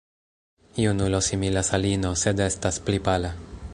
Junulo similas al ino, sed estas pli pala.